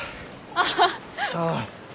ああ。